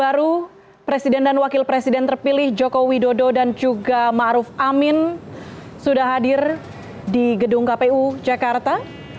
baru presiden dan wakil presiden terpilih joko widodo dan juga ⁇ maruf ⁇ amin sudah hadir di gedung kpu jakarta